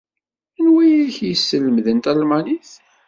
Anwa ay ak-yesselmaden talmanit?